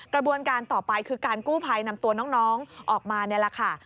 กระบวนการต่อไปคือการกู้ภัยนำตัวน้องออกมานี่แหละค่ะ